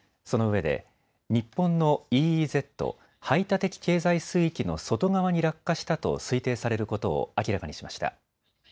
そのうえで日本のＥＥＺ・排他的経済水域の外側に落下したと推定されることを明らかにしました。